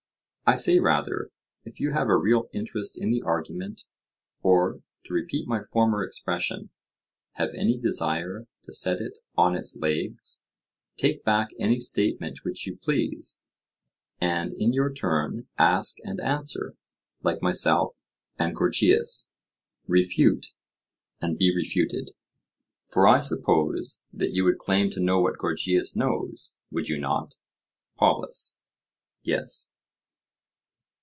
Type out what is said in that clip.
I say rather, if you have a real interest in the argument, or, to repeat my former expression, have any desire to set it on its legs, take back any statement which you please; and in your turn ask and answer, like myself and Gorgias—refute and be refuted: for I suppose that you would claim to know what Gorgias knows—would you not? POLUS: Yes.